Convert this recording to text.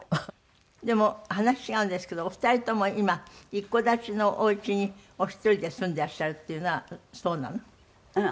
でも話違うんですけどお二人とも今一戸建ちのおうちにお一人で住んでらっしゃるっていうのはそうなの？